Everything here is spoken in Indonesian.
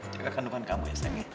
jaga kendungan kamu ya sayang